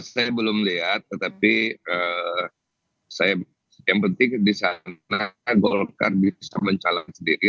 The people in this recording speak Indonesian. saya belum lihat tetapi yang penting di sana golkar bisa mencalon sendiri